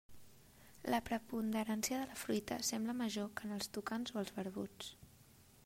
La preponderància de la fruita sembla major que en els tucans o els barbuts.